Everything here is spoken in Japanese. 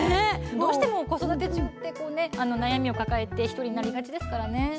どうしても子育て中には悩みを抱えて１人になりがちですから。